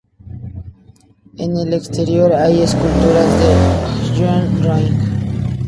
En el exterior hay esculturas de Joan Roig.